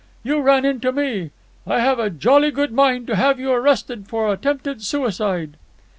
You ran into me. I have a jolly good mind to have you arrested for attempted suicide."